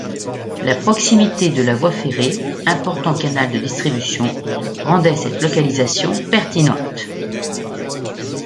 La proximité de la voie ferrée, important canal de distribution, rendait cette localisation pertinente.